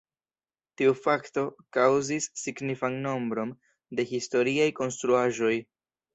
Tiu fakto kaŭzis signifan nombron de historiaj konstruaĵoj.